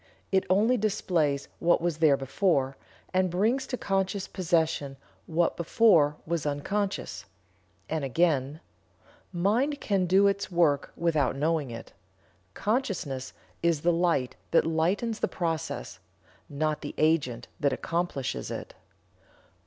It only displays what was there before, and brings to conscious possession what before was unconscious." And again: "Mind can do its work without knowing it. Consciousness is the light that lightens the process, not the agent that accomplishes it."